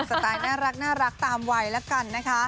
สไตล์น่ารักตามวัยละกันนะคะ